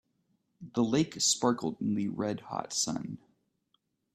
The lake sparkled in the red hot sun.